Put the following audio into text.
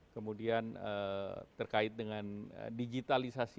kemudian terkait dengan digitalisasi